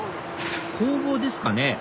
工房ですかね